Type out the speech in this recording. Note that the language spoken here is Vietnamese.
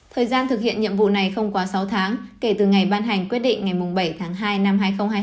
thời gian thực hiện nhiệm vụ này không quá sáu tháng kể từ ngày ban hành quyết định ngày bảy tháng hai năm hai nghìn hai mươi hai